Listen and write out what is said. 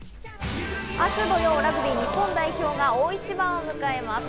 明日土曜、ラグビー日本代表が大一番を迎えます。